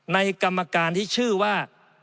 กรรมการที่ชื่อว่า